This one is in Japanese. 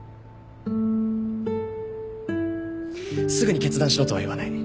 すぐに決断しろとは言わない。